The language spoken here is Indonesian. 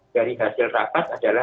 dari hasil rapat adalah